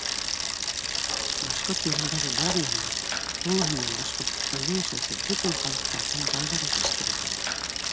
Башҡорт ерендәге бар нәмә, тулыһы менән, Башҡортостанда йәшәүсе бөтөн халыҡтарҙың байлығын тәшкил итә.